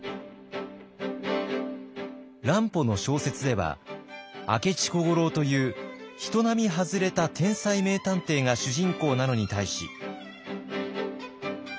乱歩の小説では明智小五郎という人並み外れた天才名探偵が主人公なのに対し。